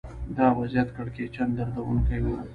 دا وضعیت کړکېچن دردونکی و